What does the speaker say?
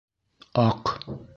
Аҡ